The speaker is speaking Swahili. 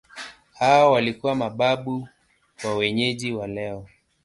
Hawa walikuwa mababu wa wenyeji wa leo.